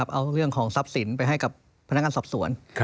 เอาเรื่องของทรัพย์สินไปให้กับพนักงานสอบสวน